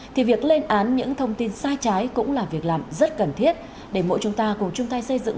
thì việc lên án những thông tin sai trái cũng là việc làm rất cần thiết để mỗi chúng ta cùng chung tay xây dựng